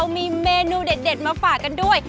มีเมนูเด็ดมาฝากกันด้วย